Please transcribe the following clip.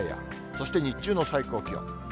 そして日中の最高気温。